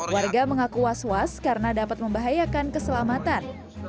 warga mengaku was was karena dapat membahayakan keselamatan